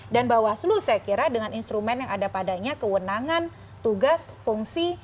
dan bawas lu saya kira dengan instrumen yang ada padanya kewenangan tugas fungsi